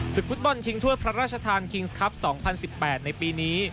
ฟุตบอลชิงถ้วยพระราชทานคิงส์ครับ๒๐๑๘ในปีนี้